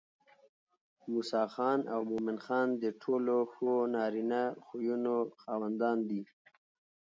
موسى خان او مومن خان د ټولو ښو نارينه خويونو خاوندان دي